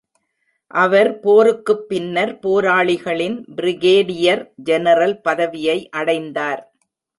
அவர் போருக்குப் பின்னர் போராளிகளின் பிரிகேடியர் ஜெனரல் பதவியை அடைந்தார்.